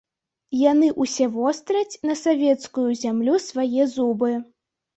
Яны ўсе востраць на савецкую зямлю свае зубы.